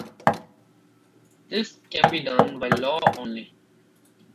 This can be done by law only.